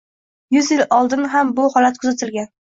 Yuz yil oldin ham bu holat kuzatilgan